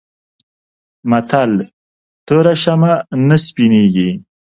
متل: توره شمه نه سپينېږي.